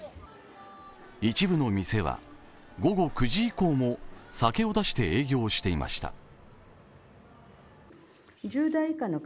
一部の店は、午後９時以降も酒を出して営業していました。